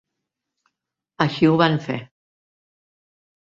Així o van fer.